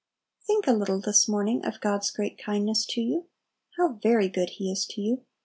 Think a little this morning of God's great kindness to you. How very good He is to you!